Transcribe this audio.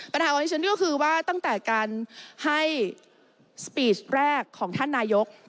ปัญหาของที่ฉันก็คือว่าตั้งแต่การให้สปีชแรกของท่านนายก